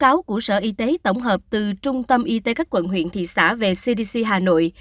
các bệnh viện của sở y tế tổng hợp từ trung tâm y tế các quận huyện thị xã về cdc hà nội